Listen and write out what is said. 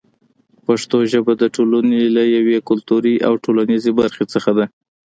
پښتو ژبه د ټولنې له یوې کلتوري او ټولنیزې برخې څخه ده.